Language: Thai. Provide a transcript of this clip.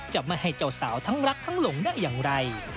จะไม่ให้เจ้าสาวทั้งรักทั้งหลงได้อย่างไร